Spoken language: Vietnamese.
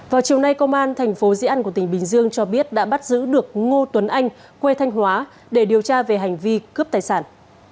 vào chiều nay công an thành phố dĩ an của tỉnh bình dương cho biết đã bắt giữ được ngô tuấn anh quê thanh hóa để điều tra về hành vi cướp tài sản